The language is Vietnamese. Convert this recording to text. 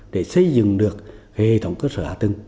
để xây dựng được hệ thống cơ sở hạ tầng